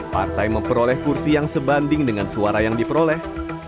partai memperoleh kursi yang sebanding dengan nomor urut yang disusun